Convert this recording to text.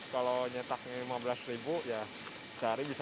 kalau cetaknya lima belas ya sehari bisa lima belas